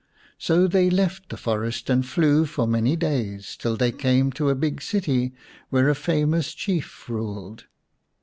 So they left the forest and flew for many days till they came to a big city, where a famous Chief ruled.